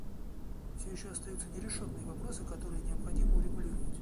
Все еще остаются нерешенные вопросы, которые необходимо урегулировать.